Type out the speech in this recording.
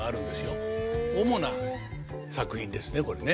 主な作品ですねこれね。